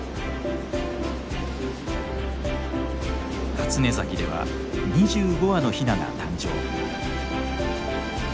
初寝崎では２５羽のヒナが誕生。